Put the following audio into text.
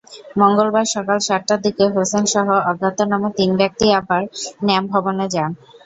মঙ্গলবার সকাল সাতটার দিকে হোসেনসহ অজ্ঞাতনামা তিন ব্যক্তি আবার ন্যাম ভবনে যান।